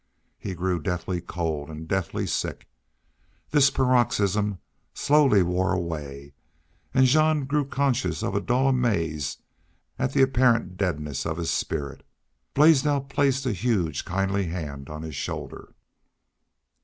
He grew deathly cold and deathly sick. This paroxysm slowly wore away, and Jean grew conscious of a dull amaze at the apparent deadness of his spirit. Blaisdell placed a huge, kindly hand on his shoulder.